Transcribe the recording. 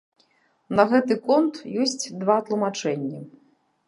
На гэты конт ёсць два тлумачэнні.